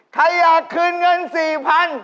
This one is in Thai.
ใครอยากคืนเงินสี่พัน